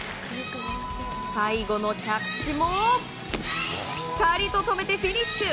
最後の着地もピタリと止めてフィニッシュ！